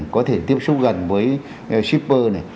có thể tiếp xúc gần với shipper này